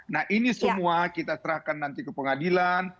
nah ini semua kita serahkan nanti ke pengadilan